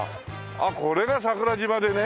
これが桜島でね。